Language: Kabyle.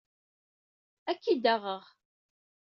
Ad k-id-aɣeɣ.